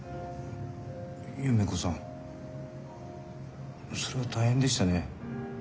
夢子さんそれは大変でしたね。